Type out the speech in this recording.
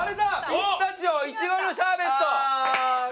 ピスタチオいちごのシャーベット。